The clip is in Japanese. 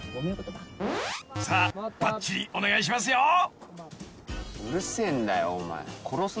［さあばっちりお願いしますよ］